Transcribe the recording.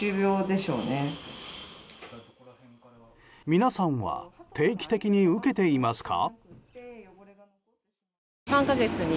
皆さんは定期的に受けていますか？